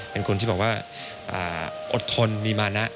เป็นคนที่บอกว่าอดทนมีมานะ